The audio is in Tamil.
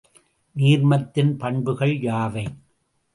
நீர்மத்தின் பண்புகள் யாவை?